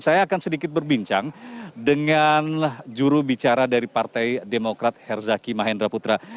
saya akan sedikit berbincang dengan juru bicara dari partai demokrat herzaki mahendra putra